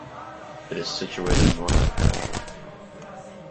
It is situated north of Hereford.